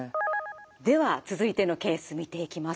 では続いてのケース見ていきます。